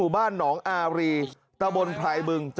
ประเภทประเภท